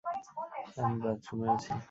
আমি বাথরুমে আছি।